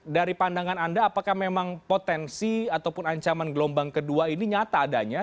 dari pandangan anda apakah memang potensi ataupun ancaman gelombang kedua ini nyata adanya